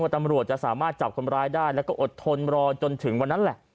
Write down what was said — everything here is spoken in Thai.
ตำรวจจะสามารถจับคนร้ายได้แล้วก็อดทนรอจนถึงวันนั้นแหละ